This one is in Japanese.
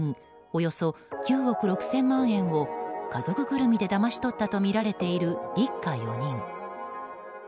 およそ９億６０００万円を家族ぐるみで、だまし取ったとみられている一家４人。